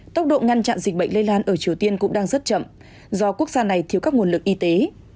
tốc độ ngăn chặn dịch bệnh lây lan ở triều tiên cũng đang rất chậm do quốc gia này thiếu các nguồn lực y tế